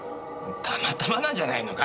たまたまなんじゃないのか？